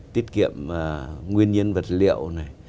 tiết kiệm nguyên nhiên vật liệu này